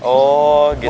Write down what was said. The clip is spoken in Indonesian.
oh gitu gitu